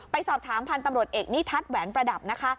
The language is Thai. ไปสอบถามพันธุ์ตำรวจเอกนิทัศน์แหวนประดับนะคะ